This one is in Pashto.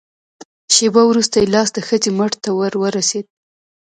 شېبه وروسته يې لاس د ښځې مټ ته ور ورسېد.